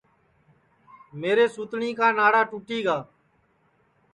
میرے سُتٹؔی کا ناڑا ٹُوٹی گا